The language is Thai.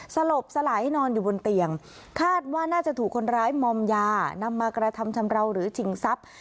สลบสลายนอนอยู่บนเตียงคาดว่าน่าจะถูกคนร้ายมอมยานำมากระทำชำราวหรือชิงทรัพย์